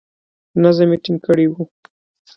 نظم یې ټینګ کړی وو.